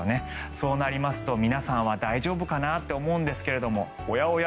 そうなりますと皆さんは大丈夫かなって思うんですがおやおや？